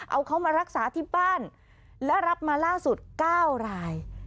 เอาเขามารักษาที่บ้านและรับมาล่าสุด๙ราย